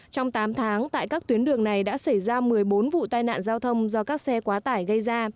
trong tám tháng tại các tuyến đường này đã xảy ra một mươi bốn vụ tai nạn giao thông do các xe quá tải gây ra